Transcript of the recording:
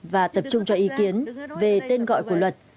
và tập trung cho ý kiến về tên gọi của luật